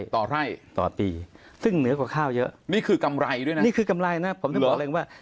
ต่อไร่ต่อปีซึ่งเหนือกว่าข้าวเยอะนี่คือกำไรด้วยนะหรือว่า